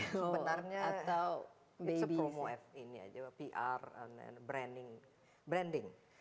sebenarnya itu promo ini aja pr branding